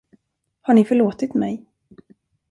Har ni förlåtit mig?